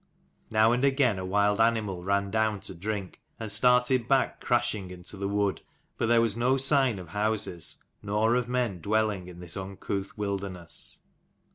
Now and again a wild animal ran down to drink, and started back crashing into the wood : but there was no sign of houses, nor of men dwelling in this uncouth wilderness.